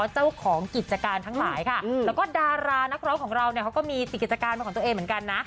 เจ้าของกิจการทั้งหลายค่ะแล้วก็ดารานักร้องของเราเนี่ยเขาก็มีติดกิจการเป็นของตัวเองเหมือนกันนะ